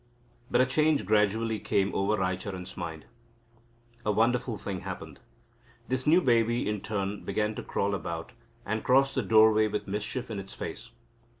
But a change gradually came over Raicharan's mind. A wonderful thing happened. This new baby in turn began to crawl about, and cross the doorway with mischief in its face.